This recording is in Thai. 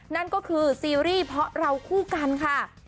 นั่นก็คือซีรีส์เพราะเราคู่กันค่ะ